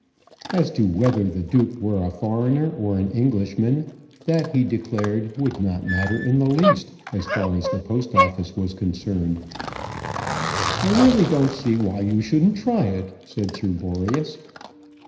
As to whether the Duke were a foreigner or an Englishman, that, he declared, would not matter in the least, as far as the Post Office was concerned. "I really don't see why you shouldn't try it," said Sir Boreas.